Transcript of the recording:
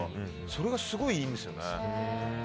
それがすごいいいんですよね。